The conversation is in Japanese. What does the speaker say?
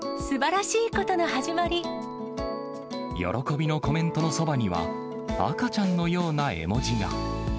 喜びのコメントのそばには、赤ちゃんのような絵文字が。